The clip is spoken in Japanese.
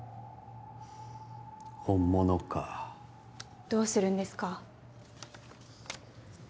本物かどうするんですか？